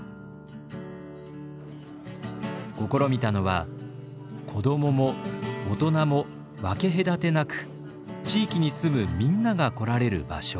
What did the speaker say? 試みたのは子どもも大人も分け隔てなく地域に住むみんなが来られる場所。